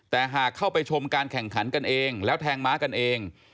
แต่หากเข้าไปชมการแข่งขันกันเองแล้วแทงม้ากันเอง